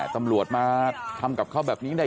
ตำรวจมาทำกับเขาแบบนี้ได้